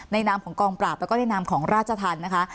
นามของกองปราบแล้วก็ในนามของราชธรรมนะคะ